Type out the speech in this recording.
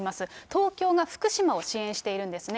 東京が福島を支援しているんですね。